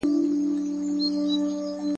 سياستوال د دغو ټکرونو د حل له پاره هڅه کوي.